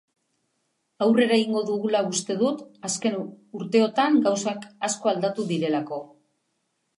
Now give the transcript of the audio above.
Aurrera egingo dugula uste dut, azken urteotan gauzak asko aldatu direlako.